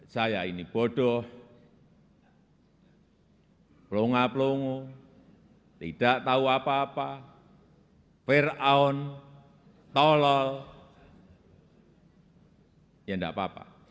saya ini bodoh pelangak pelongo tidak tahu apa apa fir'aun tolol ya enggak apa apa